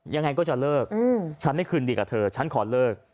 ยังไงก็จะเลิกฉันไม่คืนดีกับเธอฉันขอเลิก